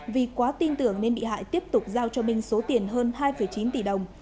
vì quá tin tưởng nên bị hại tiếp tục giao cho minh số tiền hơn hai chín tỷ đồng